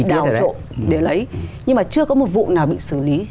đào rộ để lấy nhưng mà chưa có một vụ nào bị xử lý